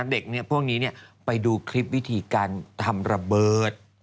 เด็กพวกนี้ไปดูคลิปวิธีการทำระเบิด